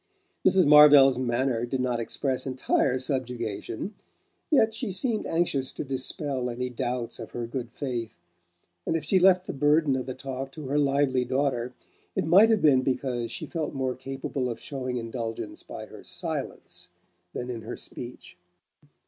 Mrs. Marvell's manner did not express entire subjugation; yet she seemed anxious to dispel any doubts of her good faith, and if she left the burden of the talk to her lively daughter it might have been because she felt more capable of showing indulgence by her silence than in her speech.